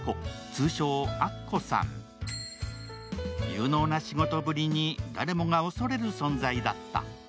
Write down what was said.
有能な仕事ぶりに、誰もが恐れる存在だった。